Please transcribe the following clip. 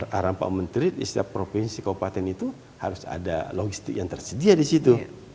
arahan pak menteri di setiap provinsi kabupaten itu harus ada logistik yang tersedia di situ